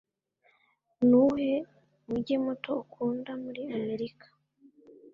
nuwuhe mujyi muto ukunda muri amerika